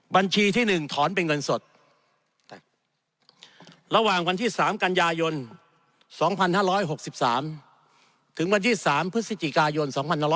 บัญชีที่๑ถอนเป็นเงินสดระหว่างวันที่๓กันยายน๒๕๖๓ถึงวันที่๓พฤศจิกายน๒๕๖๐